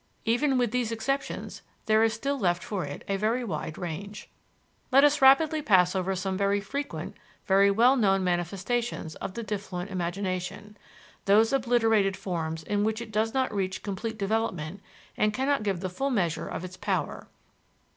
Even with these exceptions there is still left for it a very wide range. Let us rapidly pass over some very frequent, very well known manifestations of the diffluent imagination those obliterated forms in which it does not reach complete development and cannot give the full measure of its power.